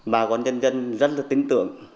bà con nhân dân rất là tính tưởng